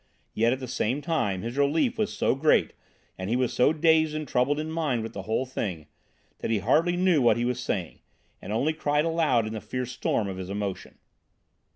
Yet at the same time his relief was so great, and he was so dazed and troubled in mind with the whole thing, that he hardly knew what he was saying, and only cried aloud in the fierce storm of his emotion....